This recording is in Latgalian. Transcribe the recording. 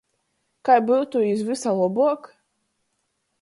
Kai byutu iz vysa lobuok?